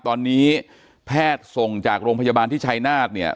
ตอนนี้แพทย์ส่งจากโรงพยาบาลที่ชัยนาธเนี่ย